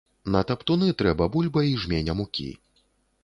На таптуны трэба бульба й жменя мукі.